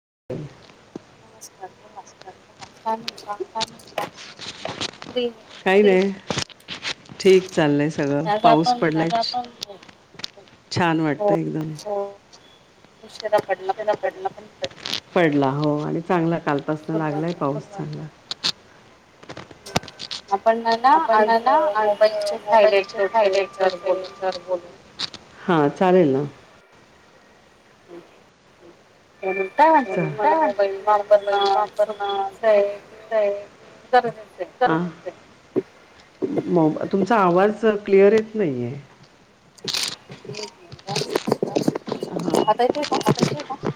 [unintelligible] काही नाही ठीक. चाललंय सगळं पाऊस पडलाय छान वाटतं एकदम. हो. उशरा पडला पण पडला पडला हो आणि चांगला कालपासन लागलाय पाऊस चांगला. आपण मला आज मोबाईलचे हायलाईट करतोय सर बोलून. हा चालेल ना. [unintelligible] काय म्हणत तुम्हाला मोबाईल वापरणार चुकीच आहे [unintelligible] तुमचा आवाज क्लिअर येत नाहीय आहे. आता येतोय का?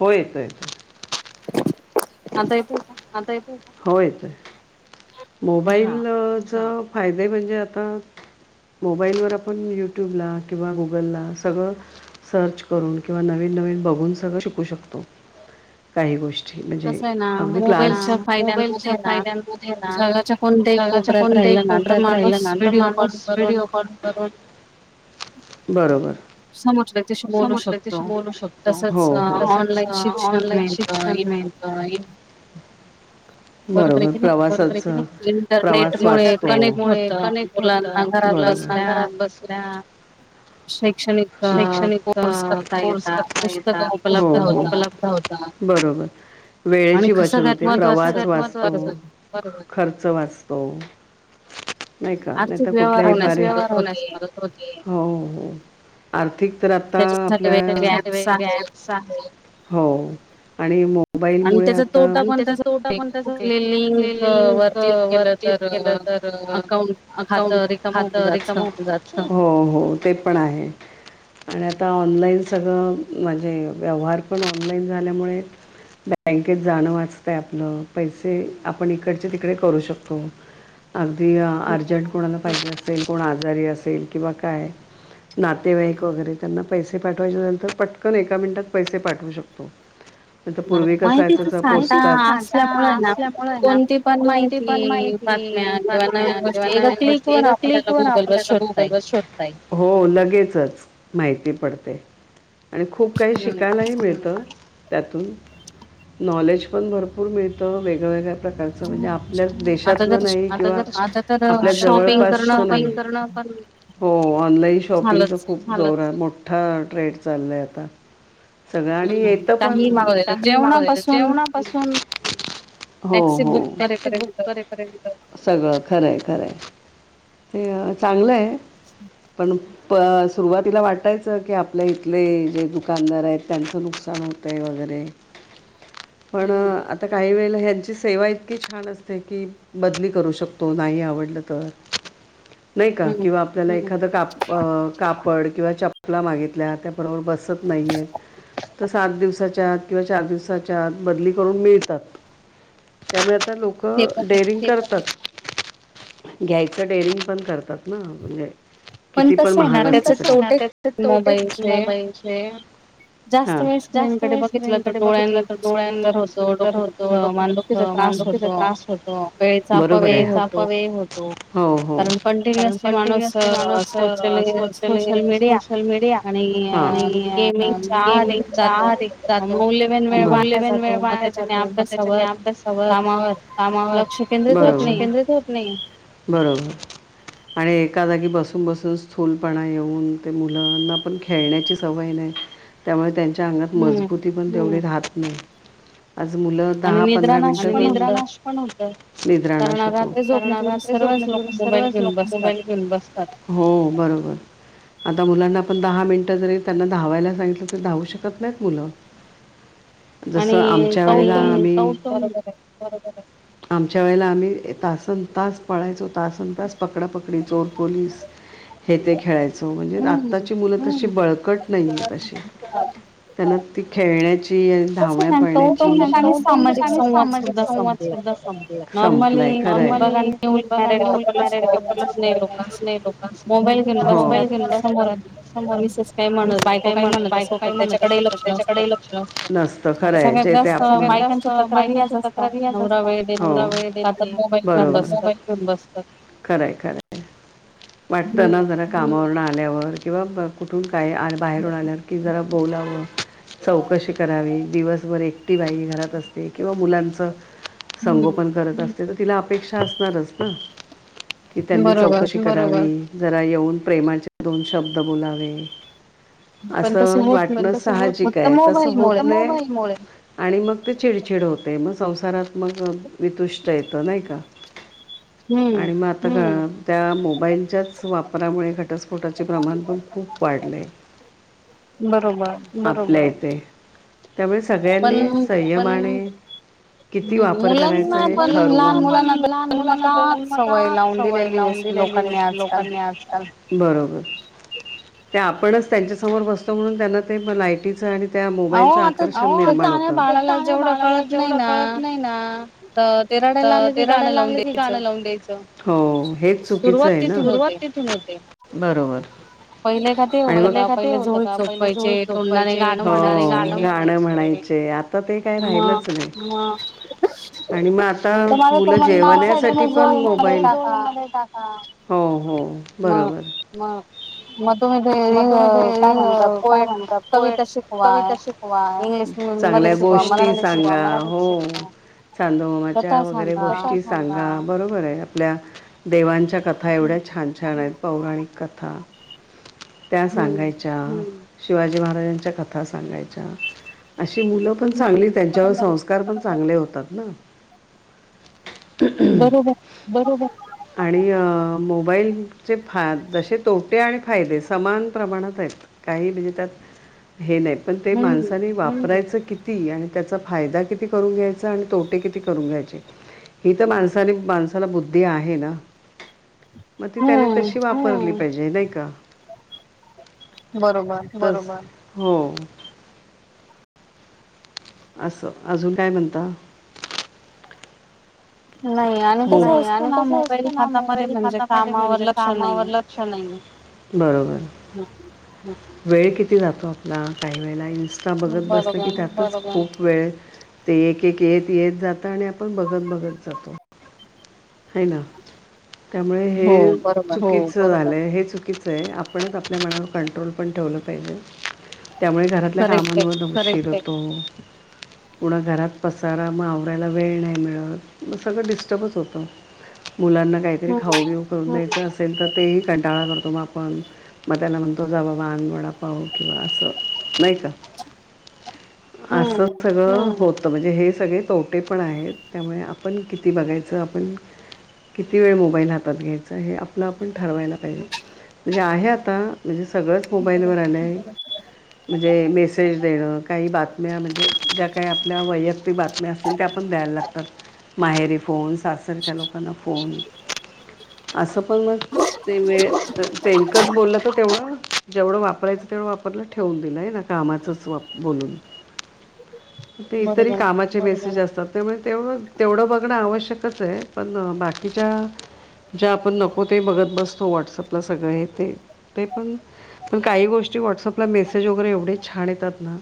हो येतं येतं. आता येतोय हो येतोय मोबाईलचा फायदे म्हणजे आता. मोबाईलवर आपण युट्यूबला किंवा गुगलला सगळं सर्च करून किंवा नवीन नवीन बघून सगळं शिकू शकतो काही गोष्टी म्हणजे अगदी क् मोबाईलच्या फायद ना. जगाच्या कोणत्याही कोपऱ्यात राहिला ना तर माणूस व्हिडिओ कॉल करून बरोबर समज त बोलू शकतो तसच ऑनलाईन शिक्षण नाही. बरोबर प्रवासच प्रवास नट मु कनेक्ट होत मुलांना घरात बसल्या शैक्षणिक कोर्सता येत पुस्तक उपलब्ध होत बरोबर वेळेची बचत होते प्रवास वाचतो. खर्च वाचतो. नाही का नाही तर कुठल्याही कोणाचीही मदत होते. आर्थिक तर आता आपल्या त्याच्यासाठी ॲप आहे. मोबाईल मुळे आता आणि त्याचा तोटा पण त्याचा कुठले लिंक वर क केलं तर अकाउंट खात रिकम हो हो हो ते पण आहे. आणि आता ऑनलाईन सगळं म्हणजे व्यवहार पण ऑनलाईन झाल्यामुळे बँकेत जाणं वाचतय आपलं पैसे आपण इकड करू शकतो अगदी अर्जंट कोणाला पाहिजे असेल तर असेल असेल कोण आजारी असेल किंवा काय नातेवाईक वगैरे त्यांना पैसे पाठवायच्यानंतर पटकन एका मिनिटात पैसे पाठवू शकतो. तर तर पूर्वी कसायच पोचत आता असल्यामुळे आहे ना कोणती पण माहिती बातम्या किंवा नवीन गोष्टी एका क्लिक वर आपल्याला गुगल व हो लगेचच माहिती पडते आणि खूप काही शिकायलाही मिळतं त्यातून नॉलेज पण भरपूर मिळत वेग वेगळ्या प्रकार [unintelligible] त्यांचं म्हणजे आपल्या देशातल नाही किंवा आपल्या जवळपासच नाही हो ऑनलाईन शॉपिंग तर खूप जोर आहे मोठ हा ट्रेड चाललं आहे आता सगळ्यांनी येत पण काही मागवलेलं जेवणापासून हो हो टॅक्सी बुक करे पर्यंत सगळं खरंय खरंय ते चांगलं आहे पण प सुरुवातीला वाटायचं की आपल्या इथले जे दुकानदार आहेत त्यांचं नुकसान होतय वगैरे पण आता काही वेळेला ह्यांची सेवा ही इतकी छान असते की बदली करू शकतो नाही आवडलं तर नाही का किंवा आपल्याला एखादं काप कापड किंवा चपला मागितल्या त्या बरोबर बसत नाही आहेत तर सात दिवसाच्या आत किंवा चार दिवसाच्या आत बदली करून मिळतात त्यामुळे तर लोकं डेअरिंग करतात घ्यायचं डेअरिंग पण करतात ना म्हणजे किती पण महाग असलं पण कस आहे ना त्या तोटेच मोबाईलचे हा जास्त वेळ स्क्रीनकडे बघितलं तर डोळ्या्चा होतो डॉक्टर मान दुखते तर त्रास होतो बरोबर आहे वेळेचा अपव्यय होतो हो हो पण टी व्ही असते माणूस तर सोशल अ सोशल मीडिया आणि अ गेमिंगच्या आहारी जातो मौल्यवान वेळ वाया जातो मग त्याच्याने अभ्यास कामावर बरोबर लक्ष केंद्रित होत नाही बरोबर आणि एका जागी बसून बसून स्थूलपणा येऊन ते मुलांना पण खेळण्याची सवय नाही त्यामुळे त्यांच्या अंगात मजबूती पण तेवढी राहत नाही आज मुलं दहा पंधरा मिनिट निद्रा नाश पण होतो निद्रा नाश होतो कारण रात्री झोपल की सर्वच लोक मोबाईल घे घेऊन बसतात हो बरोबर आता मुलांना पण दहा मिनटं जरी त्यांना धावायला सांगितलं तरी धावू शकत नाहीत मुलं जस आमच्या वेळेला आम्ही आमच्या वेळेला आम्ही तासन तास पळायचो तासन तास पकडापकडी चोर पोलीस हे ते खेळायचो म्हणजे आत्ताची मुलं तशी बळकट नाहीयेत अशी त्यांना ती खेळण्याची, धावण्या, पळण्याची सामाजिक संवाद सुद्धा संपलाय संपलाय खरं आहे नॉर्मली तुम्ही बघा न्यूली मॅरेड कपल पण लोकांची हो बायको काय म्हणत असलं त्याच्याकडे ही लक्ष नसत नसत खरं आहे जे ते आपल्या सगळ्यात जास्त काहींच्या तक्रारी येत असतात नवरा वेळ देत नाही हातात मोबाईल घेऊन बसतात खरं हाय खरं हाय वाटतं ना जरा कामावरून आल्यावर किंवा कुठून काय आ बाहेरून आल्यावर की जरा बोलावं चौकशी करावी दिवसभर एकटी बाई घरात असते किंवा मुलांचं संगोपन करत असते तर तिला अपेक्षा असणारच ना की त्यांनी चौकशी करावी जरा येऊन प्रेमाचे दोन श शब्द बोलावे [unintelligible] असं वाटण साहजिक आहे तस होत नाही फक्त मोबाइलमुळे आणि मगं ते चिडचिड होते मगं संसारात मगं वितुष्ट येत नाही का आणि मगं आता का त्या मोबाईलच्याच वापरामुळे घटस्फोटाचे प्रमाण पण खूप वाढलंय बरोबर. त्यामुळे सगळ्यांनी संयम आणि किती वापर करायच ठरवुण लहान मुलांना जनमता सवय लावून लोकांनी आजकाल बरोबर ते आपणच त्यांच्या समोर बसतो म्हणून त्यांना ते लायटीच आणि त्या मोबाईलचं आकर्षण निर्माण होत तान्या बाळाला जेवढं कळत नाही ना ते रडायला लागलं की गाणं लावून द्यायचं हो हेच चुकीचं आहे ना सुरुवात तिथून येते बरोबर आणि का ते होत का पहिलेझोळीत झोपयचे गाणं म्हणाय आता ते काय राहिलच नाही आणि मगं आता मुलं जेवण्यासाठी पण मोबाईल हो हो बरोबर मगं मगं तुम्ही तेे काय म्हणता पोएट कविता शिकवा चांगल्या गोष्टी सांगा हो चांदोमामाच्या वगैरे गोष्टी सांगा बरोबर आहे आपल्या देवांच्या कथा एवढ्या छान छान आहेत पौराणिक कथा त्या सांगायच्या शिवाजी महाराजांच्या कथा सांगायच्या अ अशी मुलं पण चांगली संस्कार पण चांगले होतात ना बरोबर आणि अ मोबाईलचे फा जसे तोटे आणि फायदे समान प्रमाणात आहेत काही म्हणजे त्यात हे नाही पण ते माणसानी वापरायचं किती आणि त्याचा फायदा किती करून घ्यायचा आणि तोटे किती करून घ्यायचे ही तर माणसानी माणसाला बुद्धी आहे ना मगं ती त्याने तशी वापरली पाहिजे नाही का बरोबर हो असं अजून काय म्हणता? नाही आणि कसं असतं ना, मोबाईल हातामध्ये म्हणजे, कामावर लक्ष नाही. बरोबर [unintelligible] वेळ किती जातो आपला, काही वेळेला इन्स्टा बघत बसलं की, त्यातच खूप वेळ ते एक - एक, येत- येत जात, आणि आपण बघत- बघत जातो. हय ना, त्यामुळे हे चुकीच झालंय हे चुकीचंय. आपणच आपल्या मनावर कंट्रोल पण ठेवलं पाहिजे. त्यामुळे घरातल्या कामांवर [unintelligible] येतो. पुणा घरात पसारा, मग आवरायला वेळ नाही मिळत सगळं डिस्टर्बच होतं. मुलांना काहीतरी खाऊबिऊ करून द्यायचं असेल तर, तेही कंटाळा करतो मग मग त्याला म्हणतो, जा बाबा आन वडापाव किंवा असं मा असं सगळं होत म्हणजे हे सगळे तोटे पण आहेत, त्यामुळे आप पण किती बघायचं, आपण किती वेळ मोबाईल हातात घ्यायचं, हे आप आपल आपण ठरवायला पाहिजे. म्हणजे आहे आता म्हणजे सगळंच मोबाईलवर आलंय, म्हणजे मेसेज देणं काही बातम्या, म्हणजे ज्या काही आपल्या वैयक्तिक बातम्या असतील, त्या पण द्यायला लागतात. माहेरी फोन, सासरच्या लोकांना फोन. असं पण मग तेे वेळ [unintelligible] मकच बोलत तेवढं जेवढं वापरायचं तेवढं वापरला, ठेवून दिलंय ना, कामाचच वाप बोलून. ते इतर कामाचे मेसेज असतात, त्यामुळे तेवढं बघणं आवश्यकचय, पण बाकीच्या ज्या आपण नको ते बघत बसतो, वॉट्सअपला सगळं हे ते, ते पण पण काही गोष्टी, व्हॉट्सअपला मेसेज वगैरे एवढे छान येतात ना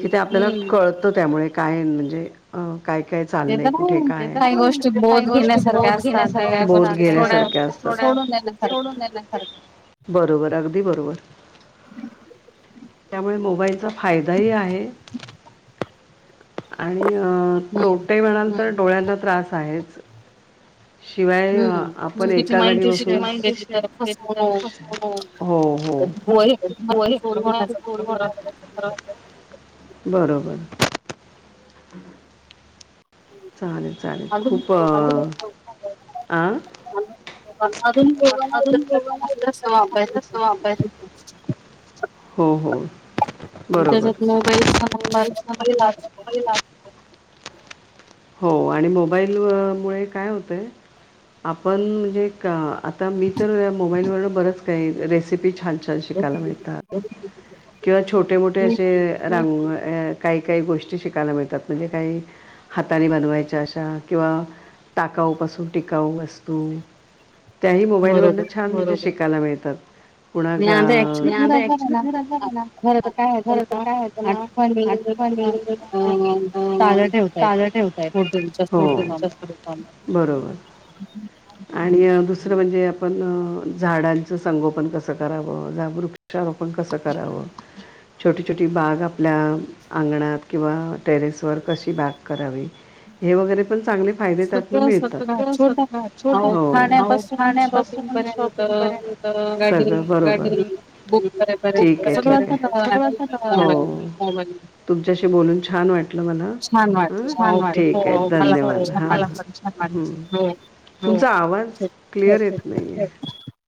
कि ते आपल्याला कळतं त्यामुळे, काय म्हणजे अ काय काय चाललंय, कुठे काय, काइ गोष्टी बोध घेण्यासारख्याअसतात. बोध घेण्यासारख्या [unintelligible] सोडून [unintelligible] बरोबर अगदी बरोबर [unintelligible] त्यामुळे मोबाईलचा फायदाही आहे आण तोटे म्हणाल तर, डोळ्यांना त्रास आहेच. शिवाय आपण एका जागी बसून [unintelligible] हो हो [unintelligible] बरोबर. चालेल- चालेल. खूप अ [unintelligible] हो- हो. आ त्याच्यात मोबाईलचा नंबर [unintelligible] हो आणि मोबाईल मुळे काय होतय, आपण म्हणजे एक आता मी तर, मोबाईलवरून बरच काही रेसिपी छान शिकायला मिळतात. किंवा छोटे मोठे असे रांगो काही काही गोष्टी शिकायला मिळतात. म्हणजे काही हाताने बनवायच्या अशा, किंवा टाकाऊपासून टिकाऊ वस्तू. त्याही मोबाईल वरन छान म्हजे शिकायला मिळतात. पुणा गा [unintelligible] अक्चुली घरात ना खर तर काय होतं ना [unintelligible] ताज ठेवता येत, [unintelligible] हो बरोबर. आणि दुसरं म्हणजे पण झाडांचं संगोपन कसं करावं, झा वृक्षारोपण कसं करावं. छोटी - छोटी बाग आपल्या अंगणात, किंवा टेरेसवर कशी बग करावी हे वगैरे पण चांग फायदे त्यात मिळतात छोट खाण्यापून शॉपिंग क सगळं बरोबर ठीक आहे. ठीक आहे. सगळं हो. तुमच्याशी बोलून छान वाटलं मला, ठीक आहे धन्यवाद. मला पण छान वाटलं. तुमचा आवाज क्लिअर येत नाहीे.